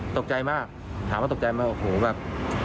ตกใจมากถามว่าตกใจไหมโอ้โหแบบ